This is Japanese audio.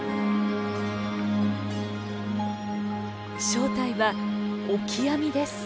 正体はオキアミです。